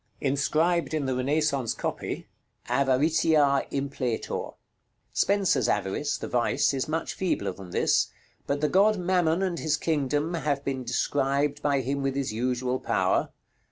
Inscribed in the Renaissance copy, "AVARITIA IMPLETOR." Spenser's Avarice (the vice) is much feebler than this; but the god Mammon and his kingdom have been described by him with his usual power.